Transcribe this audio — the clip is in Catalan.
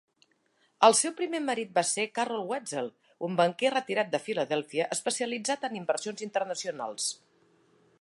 El seu primer marit va ser Carroll Wetzel, un banquer retirat de Filadèlfia especialitzat en inversions internacionals.